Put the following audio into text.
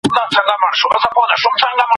پوهان د علم په وسيله ستونزي حل کوي.